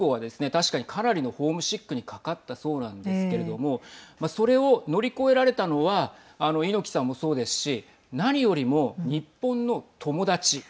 確かにかなりのホームシックにかかったそうなんですけどそれを乗り越えられたのは猪木さんもそうですし、何よりも日本の友達。